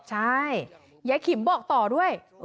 ใช่ยายขิมบอกต่อด้วย